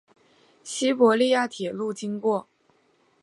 西伯利亚铁路经过。